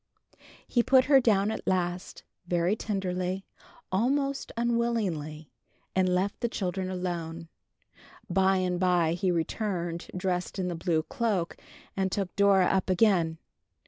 He put her down at last, very tenderly, almost unwillingly, and left the children alone. By and by he returned, dressed in the blue cloak, and took Dora up again.